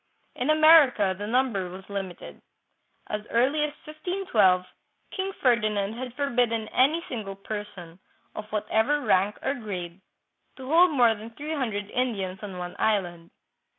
In America the number was limited. As early as 1512, King Ferdi nand had forbidden any single person, of whatever rank or grade, to hold more than three hundred Indians on one island.